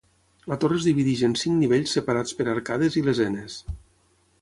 La torre es divideix en cinc nivells separats per arcades i lesenes.